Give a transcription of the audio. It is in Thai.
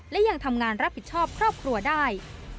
และยังทำงานรับผิดชอบครอบครัวได้